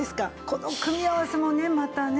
この組み合わせもねまたね。